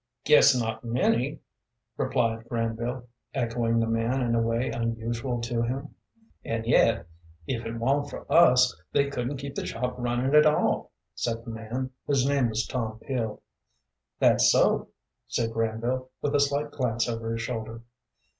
"Guess not many," replied Granville, echoing the man in a way unusual to him. "And yet if it wa'n't for us they couldn't keep the shop running at all," said the man, whose name was Tom Peel. "That's so," said Granville, with a slight glance over his shoulder.